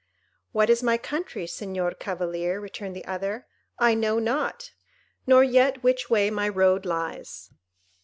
"What is my country, Señor Cavalier," returned the other, "I know not; nor yet which way my road lies."